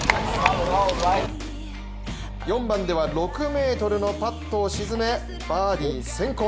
４番では６ｍのパットを沈め、バーディー先行。